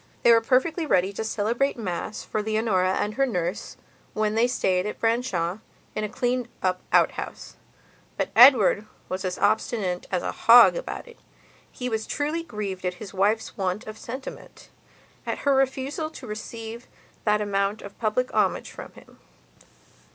They were perfectly ready to celebrate Mass for Leonora and her nurse, when they stayed at Branshaw, in a cleaned up outhouse. But Edward was as obstinate as a hog about it. He was truly grieved at his wife's want of sentimentat her refusal to receive that amount of public homage from him.